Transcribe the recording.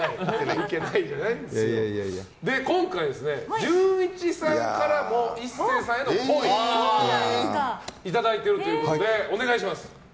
今回、純一さんからも壱成さんへの、っぽいをいただいているということでお願いします。